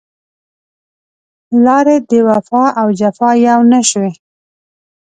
لارې د وفا او جفا يو نه شوې